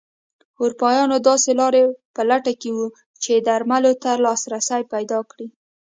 اروپایان داسې لارې په لټه کې وو چې درملو ته لاسرسی پیدا کړي.